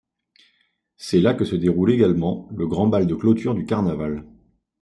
C'est là que se déroule également le grand bal de clôture du carnaval.